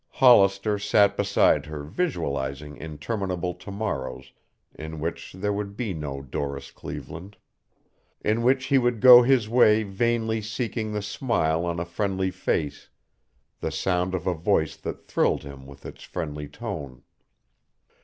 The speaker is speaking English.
Hollister sat beside her visualizing interminable to morrows in which there would be no Doris Cleveland; in which he would go his way vainly seeking the smile on a friendly face, the sound of a voice that thrilled him with its friendly tone.